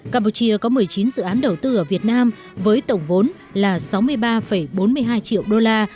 campuchia có một mươi chín dự án đầu tư ở việt nam với tổng vốn là sáu mươi ba bốn mươi hai triệu đô la